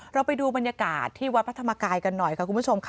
เราไปดูบรรยากาศที่วัดพระธรรมกายกันหน่อยค่ะคุณผู้ชมค่ะ